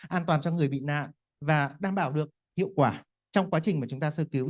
an toàn cho người bị nạn và đảm bảo được hiệu quả trong quá trình mà chúng ta sơ cứu